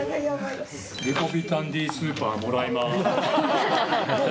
リポビタンＤスーパーもらいます。